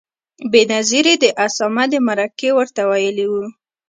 بېنظیرې د اسامه د مرکې ورته ویلي و.